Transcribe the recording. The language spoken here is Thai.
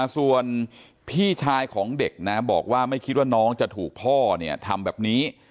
ส่วนพี่ชายของเด็กนะบอกว่าไม่คิดว่าน้องจะถูกพ่อเนี่ยทำแบบนี้